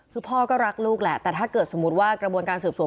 คือพ่อก็รักลูกแหละแต่ถ้าเกิดสมมุติว่ากระบวนการสืบสวน